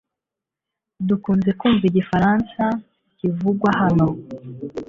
Dukunze kumva igifaransa kivugwa hano .